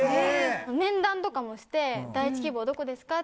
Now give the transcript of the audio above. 面談とかもして第一希望どこですか？